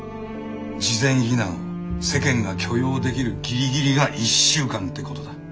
事前避難を世間が許容できるギリギリが１週間ってことだ。